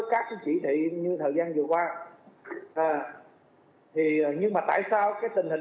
các khâu kiểm tra của chúng ta như thế nào